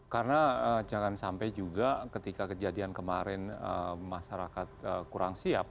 karena jangan sampai juga ketika kejadian kemarin masyarakat kurang siap